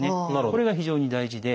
これが非常に大事で。